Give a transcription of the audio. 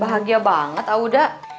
bahagia banget a'udha